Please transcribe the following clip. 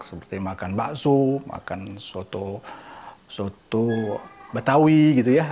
seperti makan bakso makan soto betawi gitu ya